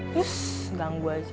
yus ganggu aja